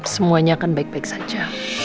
semuanya akan baik baik saja